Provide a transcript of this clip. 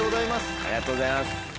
ありがとうございます。